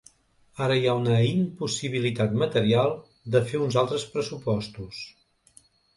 Ara hi ha una impossibilitat material de fer uns altres pressupostos.